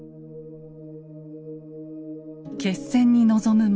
決戦に臨む前